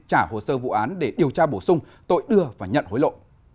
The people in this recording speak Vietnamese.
trả hồ sơ vụ án để điều tra bổ sung tội đưa và nhận hối lộ